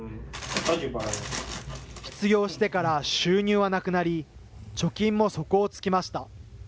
失業してから収入はなくなり、貯金も底をつきました。